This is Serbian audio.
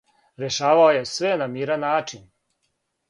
Решавао је све на миран начин.